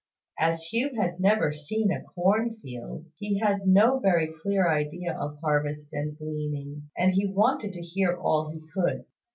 As Hugh had never seen a corn field, he had no very clear idea of harvest and gleaning; and he wanted to hear all he could.